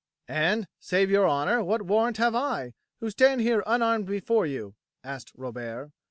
"And, save your honour, what warrant have I, who stand here unarmed before you?" asked Robert.